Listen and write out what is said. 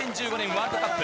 ワールドカップ、